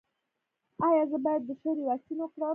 ایا زه باید د شري واکسین وکړم؟